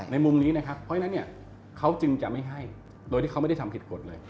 ในมุมนี้เพราะฉะนั้นเขาจึงจะไม่ให้โดยที่เขาไม่ได้ทำผิดกฎเลย